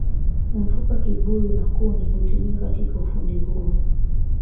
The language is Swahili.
Mfupa kibuyu na kuni hutumika katika ufundi huo